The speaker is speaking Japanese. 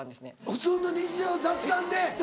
普通の日常雑談で？